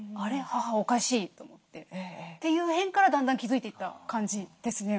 母おかしい」と思ってっていう辺からだんだん気付いていった感じですね。